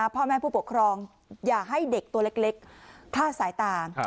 พ่อแม่ผู้ปกครองอย่าให้เด็กตัวเล็กคลาดสายตา